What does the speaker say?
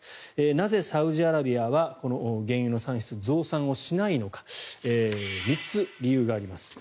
なぜ、サウジアラビアは原油の産出、増産しないのか３つ、理由があります。